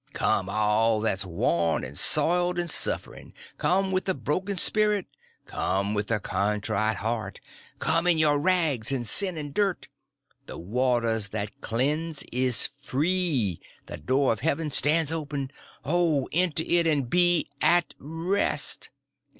_) come, all that's worn and soiled and suffering!—come with a broken spirit! come with a contrite heart! come in your rags and sin and dirt! the waters that cleanse is free, the door of heaven stands open—oh, enter in and be at rest!"